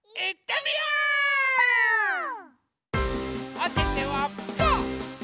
おててはパー！